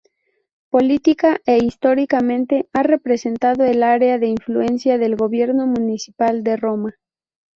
Política e históricamente ha representado el área de influencia del gobierno municipal de Roma.